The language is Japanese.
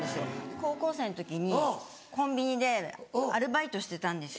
高校生の時にコンビニでアルバイトしてたんですよ。